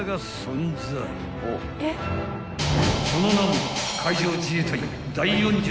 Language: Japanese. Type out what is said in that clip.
［その名も］